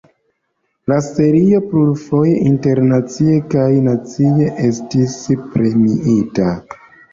La serio plurfoje internacie kaj nacie estis premiita.